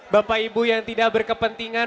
bapak ibu yang tidak berkepentingan